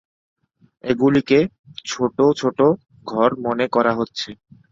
এগুলিকে ছোটো ছোটো ঘর মনে করা হচ্ছে।